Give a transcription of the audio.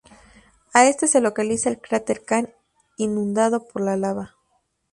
Al este se localiza el cráter Kane, inundado por la lava.